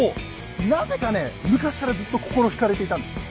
なぜかね昔からずっと心惹かれていたんです。